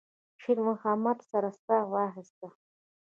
شېرمحمد سړه ساه واخيسته.